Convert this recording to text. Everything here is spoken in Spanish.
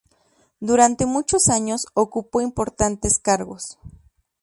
Durante muchos años ocupó importantes cargos.